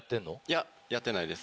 いややってないです。